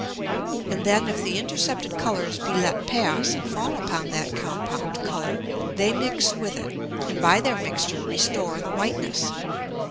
And then if the intercepted Colours be let pass and fall upon that compound Colour, they mix with it, and by their mixture restore the whiteness.